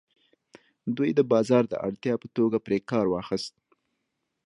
دوی د بازار د اړتیا په توګه پرې کار واخیست.